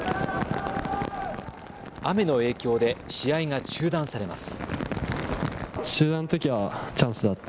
雨の影響で試合が中断されます。